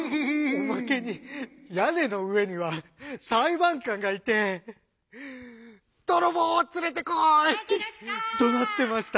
「おまけにやねのうえにはさいばんかんがいて『どろぼうをつれてこい！』ってどなってました」。